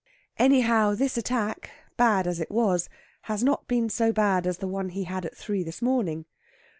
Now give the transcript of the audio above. Anyhow, this attack bad as it was has not been so bad as the one he had at three this morning.